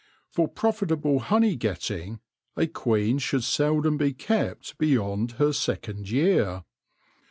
For profitable honey getting a queen should seldom be kept beyond her second year.